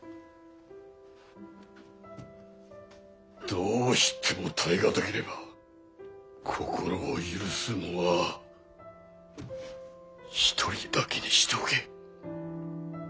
どうしても耐え難ければ心を許すのは一人だけにしておけ。